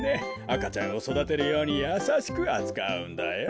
あかちゃんをそだてるようにやさしくあつかうんだよ。